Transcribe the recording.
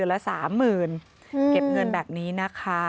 ละ๓๐๐๐เก็บเงินแบบนี้นะคะ